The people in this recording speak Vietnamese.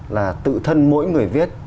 là tự thân mỗi người viết